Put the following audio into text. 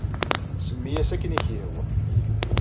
Semmi-as akken ay ak-yehwa.